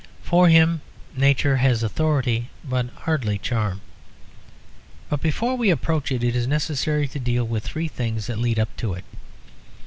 For him nature has authority, but hardly charm. But before we approach it it is necessary to deal with three things that lead up to it.